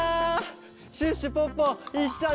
シュッシュポッポいっしょにあそぼう！